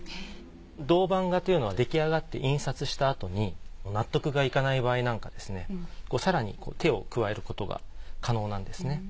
銅版画というのは出来上がって印刷した後に納得がいかない場合なんかですね更に手を加えることが可能なんですね。